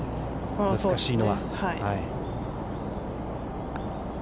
難しいのは。